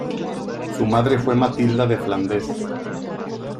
Su madre fue Matilda de Flandes.